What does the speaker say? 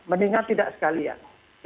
mendingan tidak sekalian